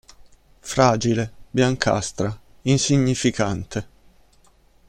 Fragile, biancastra, insignificante.